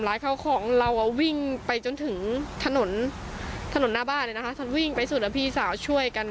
ลูกของเราวิ่งไปจนถึงถนนหน้าบ้านวิ่งไปสูตรพี่สาวช่วยกัน